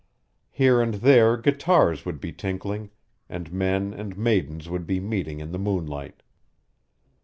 Here and there guitars would be tinkling, and men and maidens would be meeting in the moonlight.